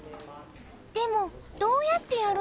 でもどうやってやるの？